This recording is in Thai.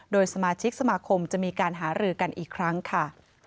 โดยสมาชิกสมาคมจะมีการหารือกันอีกครั้งค่ะ